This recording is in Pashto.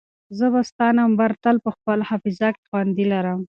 زه به ستا نمبر تل په خپل حافظه کې خوندي لرم.